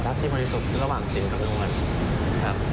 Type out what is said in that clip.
รักที่พอดีสุดซึ่งระหว่างสินกับรวม